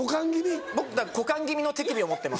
僕だから股間気味の手首を持ってます。